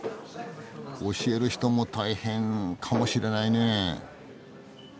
教える人も大変かもしれないね。